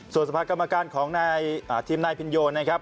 ส่วนสภากรรมการของนายทีมนายพินโยนะครับ